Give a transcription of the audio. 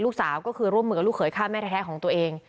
ลูกสาวก็คือร่วมมือกับลูกเขยฆ่าแม่แท้ของตัวเอง